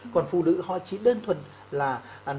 chỉ đơn thuần là